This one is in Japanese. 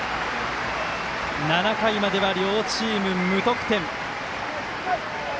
７回までは両チーム、無得点。